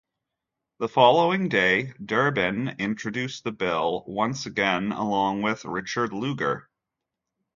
The following day, Durbin introduced the bill once again along with Richard Lugar.